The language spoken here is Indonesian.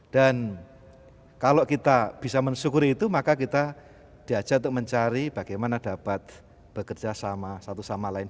dan kalau kita bisa mensyukuri itu maka kita diajak untuk mencari bagaimana dapat bekerja sama satu sama lain